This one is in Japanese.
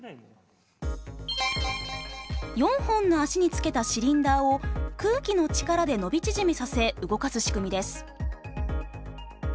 ４本の脚につけたシリンダーを空気の力で伸び縮みさせ動かす仕組みです。